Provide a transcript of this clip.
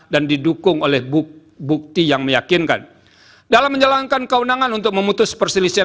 dan didukung oleh bukti yang meyakinkan dalam menjalankan keundangan untuk memutus perselisihan